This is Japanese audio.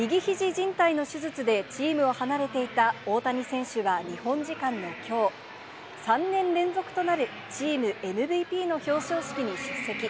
じん帯の手術でチームを離れていた大谷選手は日本時間のきょう、３年連続となるチームＭＶＰの表彰式に出席。